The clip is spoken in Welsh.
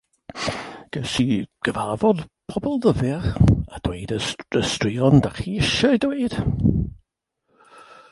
Ges i gyfarfod pobl ddifyr a dweud y straeon 'da chi isio'u dweud.